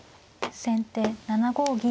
先手７五銀。